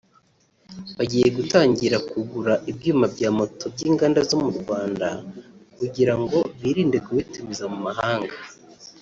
bagiye gutangira kugura ibyuma bya moto by’inganda zo mu Rwanda kugira ngo birinde kubitumiza mu mahanga